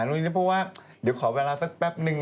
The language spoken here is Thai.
นู้นเพราะว่าเดี๋ยวขอเวลาสักแป๊บนึง